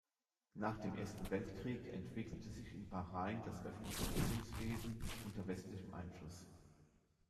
Nach dem Ersten Weltkrieg entwickelte sich in Bahrain das öffentliche Bildungswesen unter westlichem Einfluss.